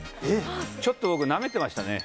ちょっと僕、なめてましたね。